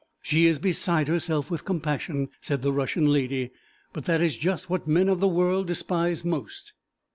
'She is beside herself with compassion,' said the Russian lady; 'but that is just what men of the world despise most.'